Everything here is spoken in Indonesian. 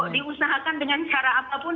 diusahakan dengan cara apapun